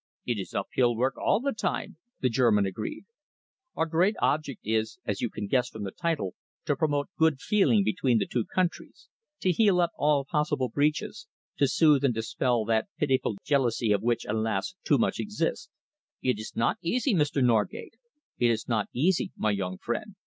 "It is uphill work all the time," the German agreed. "Our great object is, as you can guess from the title, to promote good feeling between the two countries, to heal up all possible breaches, to soothe and dispel that pitiful jealousy, of which, alas! too much exists. It is not easy, Mr. Norgate. It is not easy, my young friend.